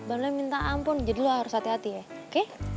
boleh minta ampun jadi lu harus hati hati ya oke